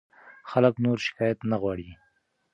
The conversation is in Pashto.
خلک نور شکایت نه غواړي.